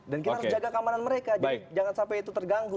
dan kita harus jaga keamanan mereka jangan sampai itu terganggu